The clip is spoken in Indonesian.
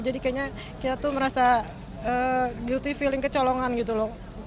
jadi kayaknya kita tuh merasa guilty feeling kecolongan gitu loh